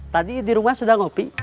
tadi di rumah sudah ngopi